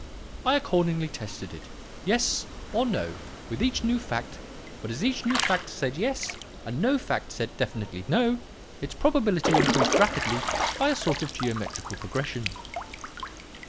I accordingly tested it, 'Yes?' or 'No?' with each new fact; but as each new fact said 'Yes,' and no fact said definitely 'No,' its probability increased rapidly by a sort of geometrical progression.